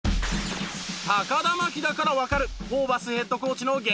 田真希だからわかるホーバスヘッドコーチの激